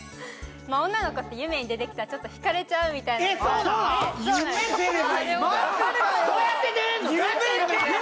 女の子って夢に出てきたらちょっと惹かれちゃうみたいなのがあってマジかよ